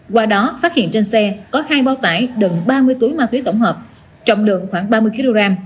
qua đó phát hiện trên xe có hai bao tải gần ba mươi túi ma túy tổng hợp trọng lượng khoảng ba mươi kg